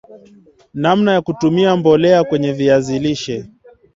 namna ya kutumia mbolea kwenye viazi lishe